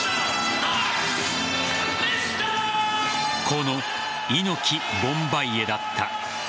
この「イノキ・ボンバイエ」だった。